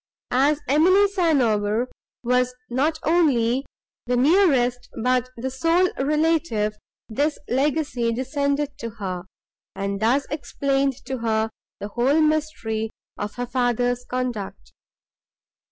As Emily St. Aubert was not only the nearest, but the sole relative, this legacy descended to her, and thus explained to her the whole mystery of her father's conduct.